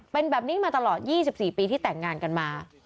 เป็นแบบนี้มาตลอด๒๔ปีที่แต่งงานกันมา